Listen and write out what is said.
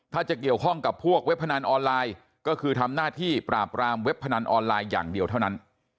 ถ้าจะเกี่ยวข้องกับพวกเว็บพนันออนไลน์ก็คือทำหน้าที่ปราบรามเว็บพนันออนไลน์อย่างเดียวเท่านั้น